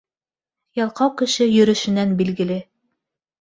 Ялҡау кеше йөрөшөнән билгеле.